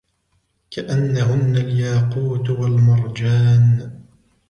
كأنهن الياقوت والمرجان